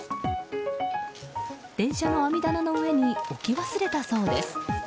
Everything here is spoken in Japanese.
電車の網棚の上に置き忘れたそうです。